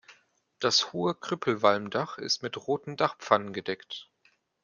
Das hohe Krüppelwalmdach ist mit roten Dachpfannen gedeckt.